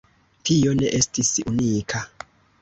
Tio ne estis unika.